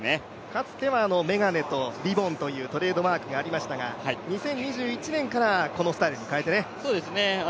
かつては眼鏡とリボンというトレードマークがありましたが、２０２１年から、このスタイルに変えてね。